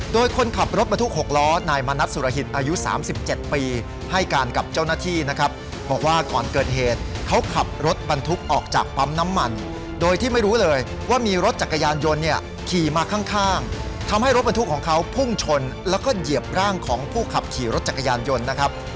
โดยคนขับรถบรรทุก๖ล้อนายมณัฐสุรหิตอายุ๓๗ปีให้การกับเจ้าหน้าที่นะครับบอกว่าก่อนเกิดเหตุเขาขับรถบรรทุกออกจากปั๊มน้ำมันโดยที่ไม่รู้เลยว่ามีรถจักรยานยนต์เนี่ยขี่มาข้างทำให้รถบรรทุกของเขาพุ่งชนแล้วก็เหยียบร่างของผู้ขับขี่รถจักรยานยนต์นะครับ